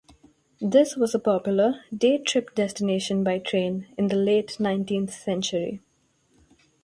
This was a popular day trip destination by train in the late nineteenth century.